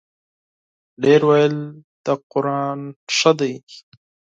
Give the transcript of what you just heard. ډېر ویل د قران ښه دی.